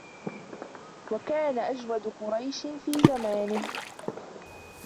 وَكَانَ أَجْوَدَ قُرَيْشٍ فِي زَمَانِهِ